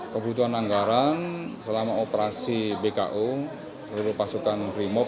kebutuhan anggaran selama operasi bku seluruh pasukan primop